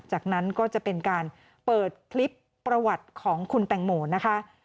จากนั้นก็จะเป็นการเปิดคลิปประวัติของคุณแตงโมนะคะ